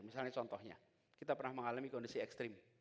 misalnya contohnya kita pernah mengalami kondisi ekstrim